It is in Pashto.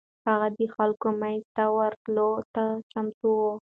هغه د خلکو منځ ته ورتلو ته چمتو و.